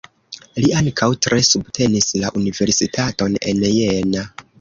Li ankaŭ tre subtenis la Universitaton en Jena.